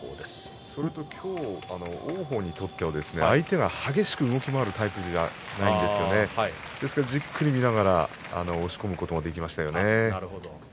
それと今日王鵬にとっては相手が激しく動き回るような相撲ではないので、じっくりと見ながら押し込むことができましたね。